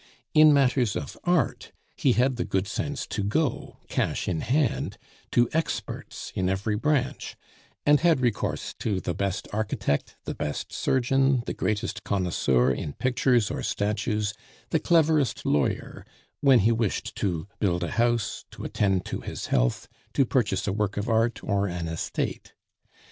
In matters of art he had the good sense to go, cash in hand, to experts in every branch, and had recourse to the best architect, the best surgeon, the greatest connoisseur in pictures or statues, the cleverest lawyer, when he wished to build a house, to attend to his health, to purchase a work of art or an estate.